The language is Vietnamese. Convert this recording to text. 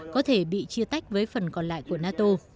có thể bị chia tách với phần còn lại của nato